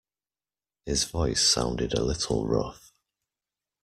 His voice sounded a little rough.